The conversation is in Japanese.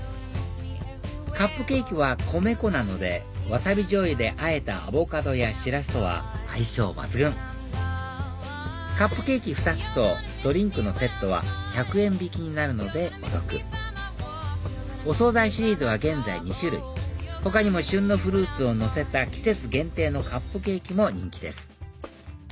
カップケーキは米粉なのでわさびじょうゆであえたアボカドやシラスとは相性抜群カップケーキ２つとドリンクのセットは１００円引きになるのでお得お総菜シリーズは現在２種類他にも旬のフルーツをのせた季節限定のカップケーキも人気です